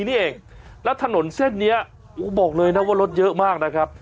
นี่เองแล้วถนนเส้นนี้บอกเลยนะว่ารถเยอะมากนะครับ